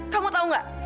kamu tau gak